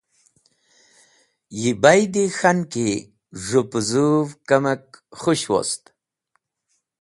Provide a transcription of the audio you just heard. Yi baydi k̃han ki z̃hũ pũzũv kamek khũsh wost.